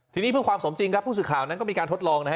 ทีนี้เพื่อความสมจริงครับผู้สื่อข่าวนั้นก็มีการทดลองนะฮะ